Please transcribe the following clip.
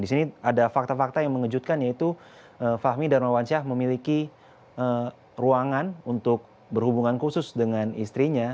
di sini ada fakta fakta yang mengejutkan yaitu fahmi darmawan syah memiliki ruangan untuk berhubungan khusus dengan istrinya